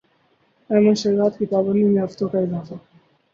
احمد شہزاد کی پابندی میں ہفتوں کا اضافہ